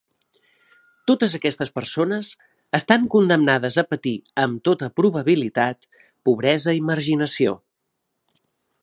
Totes aquestes persones estan condemnades a patir, amb tota probabilitat, pobresa i marginació.